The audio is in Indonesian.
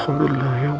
alhamdulillah ya allah